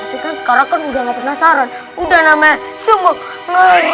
tapi kan sekarang kan udah ga penasaran udah namanya semua ngeri